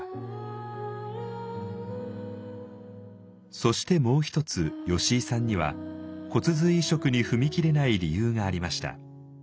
そしてもう一つ吉井さんには骨髄移植に踏み切れない理由がありました。